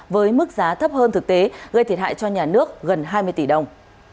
với mức giá thấp hơn thực tế gây thiệt hại cho nhà nước gần hai mươi tỷ đồng